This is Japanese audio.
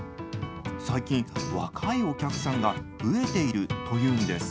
最近、若いお客さんが増えていると言うんです。